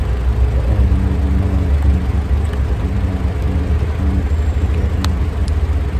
وَآمِنُوا بِمَا أَنْزَلْتُ مُصَدِّقًا لِمَا مَعَكُمْ وَلَا تَكُونُوا أَوَّلَ كَافِرٍ بِهِ ۖ